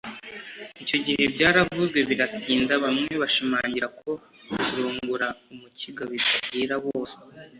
icyo gihe byaravuzwe biratinda bamwe bashimangira ko ‘kurongora umukiga bidahira bose’